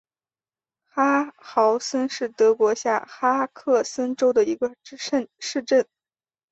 哈豪森是德国下萨克森州的一个市镇。